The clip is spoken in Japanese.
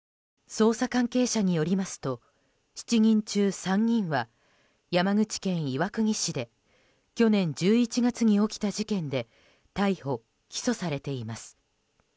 捜査関係者によりますと７人中３人は山口県岩国市で去年１１月に起きた事件で逮捕・起訴されています。